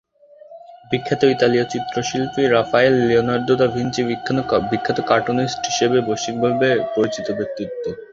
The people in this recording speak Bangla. বিখ্যাত ইতালীয় চিত্রশিল্পী রাফায়েল, লিওনার্দো দ্য ভিঞ্চি বিখ্যাত কার্টুনিস্ট হিসেবে বৈশ্বিকভাবে পরিচিত ব্যক্তিত্ব।